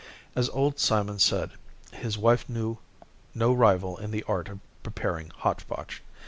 As old Simon said, his wife knew no rival in the art of preparing hotchpotch.